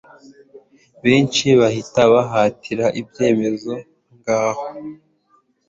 benshi bahita bahatira, ibyemezo, ngaho